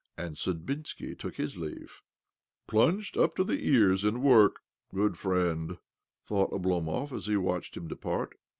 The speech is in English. And Sudbinski took his leave ." Plunged up to the ears in work, good friend 1 " thought Oblomov as he watched him depart.